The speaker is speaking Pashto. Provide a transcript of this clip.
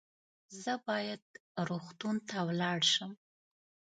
زه باید روغتون ته ولاړ شم